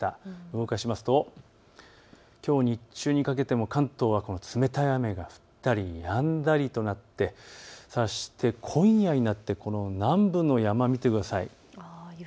動かしますときょう日中にかけても関東は冷たい雨が降ったりやんだりとなってそして今夜になって南部の山を見てください。